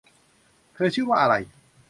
เธอชื่อว่าอะไร